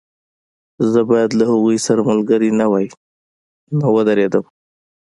زه باید له هغوی سره ملګری نه وای نو ودرېدم